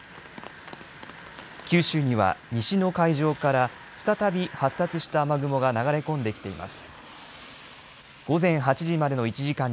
九州には西の海上から再び発達した雨雲が流れ込んできています。